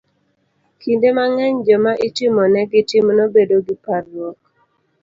Kinde mang'eny, joma itimonegi timno bedo gi parruok